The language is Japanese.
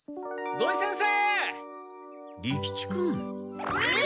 土井先生！